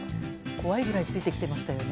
怖いぐらいついてきてましたよね。